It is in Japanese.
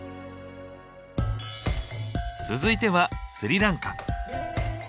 続いてはスリランカ。